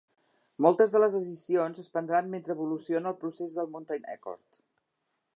Moltes de les decisions es prendran mentre evoluciona el procés del Mountain Accord.